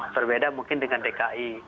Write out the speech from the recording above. berbeda mungkin dengan dki